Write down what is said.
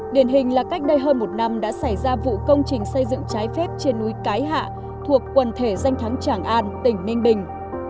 điển hình là cách đây hơn một năm đã xảy ra vụ công trình xây dựng trái phép trên núi cái hạ thuộc quần thể danh thắng tràng an tỉnh ninh bình